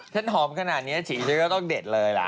ฉันหอมขนาดนี้ฉีกฉันก็ต้องเด็ดเลยล่ะ